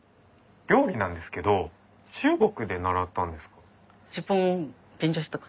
料理なんですけど中国で習ったんですか？